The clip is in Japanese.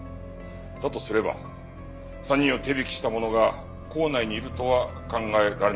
だとすれば３人を手引きした者が行内にいるとは考えられないでしょうか。